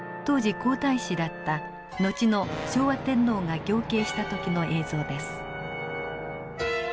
皇太子だった後の昭和天皇が行啓した時の映像です。